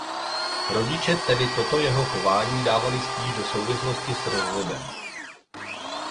Rodiče tedy toto jeho chování dávali spíš do souvislosti s rozvodem.